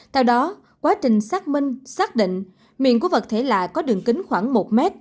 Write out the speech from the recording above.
theo đó quá trình xác minh xác định miền của vật thể lạ có đường kính khoảng một m